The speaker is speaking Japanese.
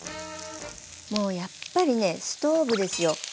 もうやっぱりねストーブですよ。